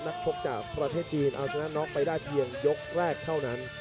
ชกจากประเทศจีนเอาชนะน็อกไปได้เพียงยกแรกเท่านั้น